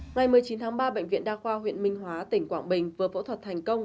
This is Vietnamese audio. ngày một mươi chín tháng ba bệnh viện đa khoa huyện minh hóa tỉnh quảng bình vừa phẫu thuật thành công